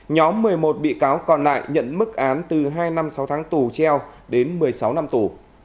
nhóm một mươi một bị cáo còn lại nhận mức án từ hai năm sáu tháng tù treo đến một mươi sáu năm tù